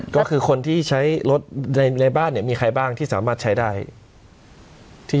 ก็คือคนที่ใช้รถในบ้านเนี่ยมีใครบ้างที่สามารถใช้ได้